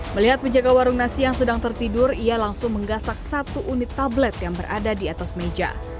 melihat penjaga warung nasi yang sedang tertidur ia langsung menggasak satu unit tablet yang berada di atas meja